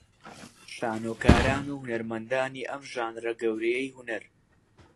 شانۆکاران و هونەرمەندانی ئەم ژانرە گەورەیەی هونەر